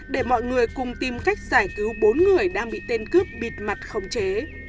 để mọi người cùng tìm cách giải cứu bốn người đang bị tên cướp bịt mặt khống chế